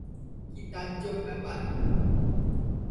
কী তাজ্জব ব্যাপার!